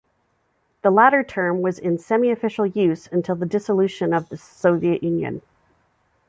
The latter term was in semiofficial use until the dissolution of the Soviet Union.